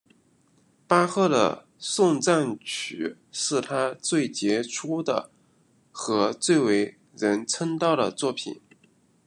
巴赫的颂赞曲是他最杰出的和最为人称道的作品。